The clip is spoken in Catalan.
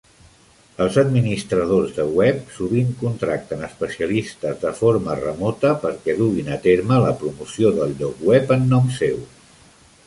Els administradors de web sovint contracten especialistes de forma remota perquè duguin a terme la promoció del lloc web en nom seu.